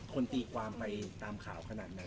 คนตีกวามไปตามข่าวขนาดนั้น